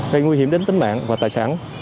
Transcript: gây nguy hiểm đến tính mạng và tài sản